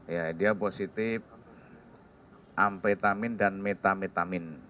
ya dia positif amfetamin dan metametamin